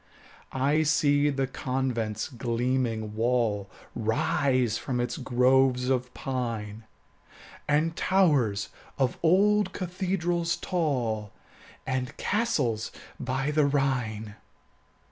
I see the convent's gleaming wall Rise from its groves of pine, And towers of old cathedrals tall, And castles by the Rhine.